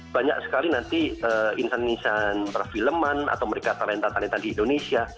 banyak sekali nanti insan insan perfilman atau mereka talenta talenta di indonesia